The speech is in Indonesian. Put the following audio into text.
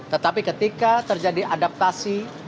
tetapi ketika terjadi adaptasi